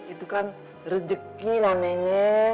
itu kan rejeki nanenye